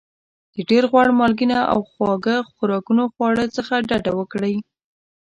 د ډېر غوړ مالګېنه او خواږه خوراکونو خواړو څخه ډاډه وکړئ.